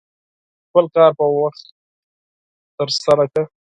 خپل کار په وخت ترسره کړه.